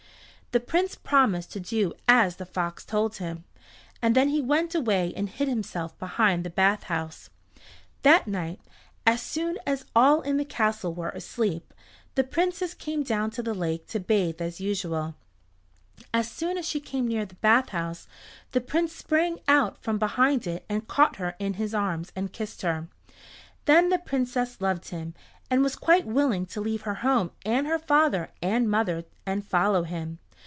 The Prince promised to do as the fox told him, and then he went away and hid himself behind the bathhouse. That night, as soon as all in the castle were asleep, the Princess came down to the lake to bathe as usual. As soon as she came near the bathhouse the Prince sprang out from behind it and caught her in his arms and kissed her. Then the Princess loved him, and was quite willing to leave her home and her father and mother and follow him.